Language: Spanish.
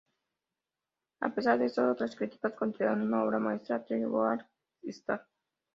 A pesar de esto, otras críticas consideraron una obra maestra "The Darkest Star".